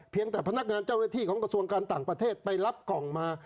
แต่พนักงานเจ้าหน้าที่ของกระทรวงการต่างประเทศไปรับกล่องมา